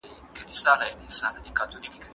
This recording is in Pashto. زه به کښېناستل کړي وي!